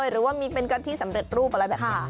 หรือว่ามีเป็นกะทิสำเร็จรูปอะไรแบบนี้